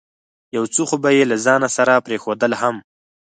یو څه خو به یې له ځانه سره پرېښودل هم.